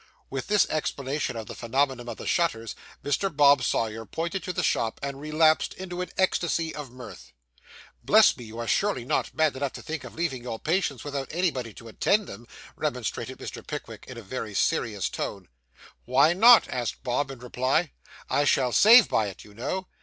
With this explanation of the phenomenon of the shutters, Mr. Bob Sawyer pointed to the shop, and relapsed into an ecstasy of mirth. 'Bless me, you are surely not mad enough to think of leaving your patients without anybody to attend them!' remonstrated Mr. Pickwick in a very serious tone. 'Why not?' asked Bob, in reply. 'I shall save by it, you know.